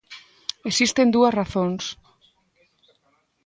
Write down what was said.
Existen dúas razóns.